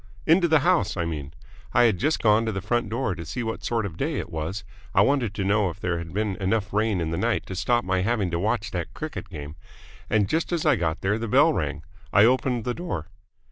"Into the house, I mean. I had just gone to the front door to see what sort of a day it was I wanted to know if there had been enough rain in the night to stop my having to watch that cricket game and just as I got there the bell rang. I opened the door."